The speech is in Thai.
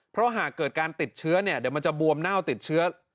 เพราะหากเกิดการติดเชื้อเนี่ยเดี๋ยวมันจะบวมเน่าติดเชื้อ